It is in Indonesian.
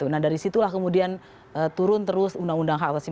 nah dari situlah kemudian turun terus undang undang hak asasi manusia